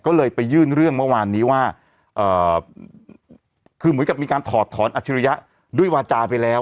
ก็เลยไปยื่นเรื่องเมื่อวานนี้ว่าคือเหมือนกับมีการถอดถอนอัจฉริยะด้วยวาจาไปแล้ว